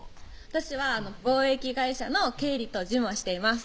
私は貿易会社の経理と事務をしています